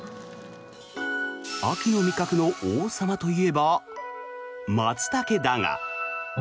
秋の味覚の王様といえばマツタケだが。